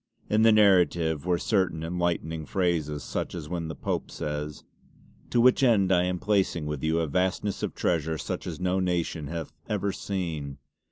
In the narrative were certain enlightening phrases such as when the Pope says: See Appendix E. "'To which end I am placing with you a vastness of treasure such as no nation hath ever seen."